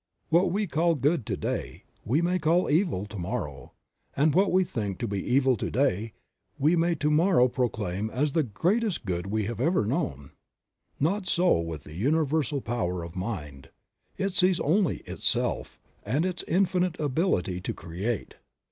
What we call good to day, we may call evil to morrow, and what we think to be evil to day, we may to morrow proclaim as the greatest good we have known. Not so with the Great Universal Power of Mind; It sees only Itself, and Its infinite ability to create.